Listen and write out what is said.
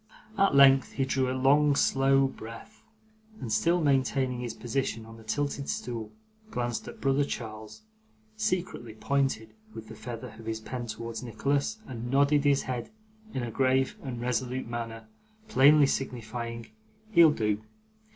At length, he drew a long slow breath, and still maintaining his position on the tilted stool, glanced at brother Charles, secretly pointed with the feather of his pen towards Nicholas, and nodded his head in a grave and resolute manner, plainly signifying 'He'll do.